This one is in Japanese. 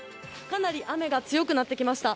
かなり雨が強くなってきました。